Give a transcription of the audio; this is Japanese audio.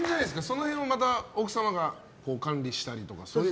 その辺はまた奥様が管理したりとか？